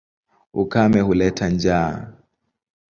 Ukame huleta njaa.